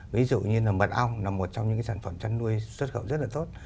ví dụ như là mật ong là một trong những sản phẩm chăn nuôi xuất khẩu rất là tốt